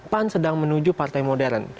pan sedang menuju partai modern